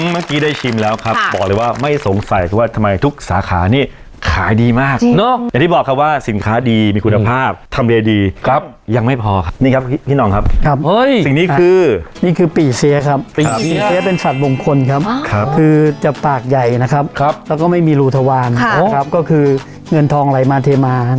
เมื่อกี้ได้ชิมแล้วครับบอกเลยว่าไม่สงสัยว่าทำไมทุกสาขานี่ขายดีมากอย่างที่บอกครับว่าสินค้าดีมีคุณภาพทำเลดีครับยังไม่พอครับนี่ครับพี่น้องครับครับเฮ้ยสิ่งนี้คือนี่คือปีเสียครับปีเสียเป็นสัตว์มงคลครับคือจะปากใหญ่นะครับครับแล้วก็ไม่มีรูทวารนะครับก็คือเงินทองอะไรมาเทมาครับ